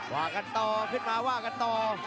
ว่ากันต่อขึ้นมาว่ากันต่อ